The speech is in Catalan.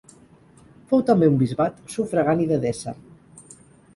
Fou també un bisbat, sufragani d'Edessa.